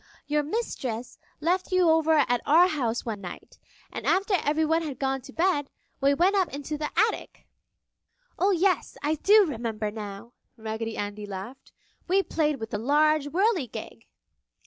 "Your Mistress left you over at our house one night, and after everyone had gone to bed, we went up into the attic!" "Oh, yes! I do remember now!" Raggedy Andy laughed. "We played with the large whirligig!"